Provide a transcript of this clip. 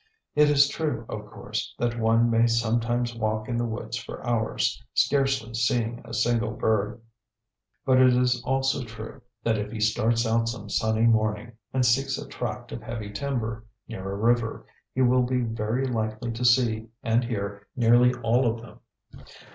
It is true, of course, that one may sometimes walk in the woods for hours, scarcely seeing a single bird. But it is also true that if he starts out some sunny morning, and seeks a tract of heavy timber near a river, he will be very likely to see and hear nearly all of them.